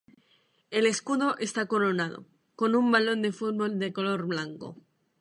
El escudo está "coronado" con un balón de fútbol de color blanco.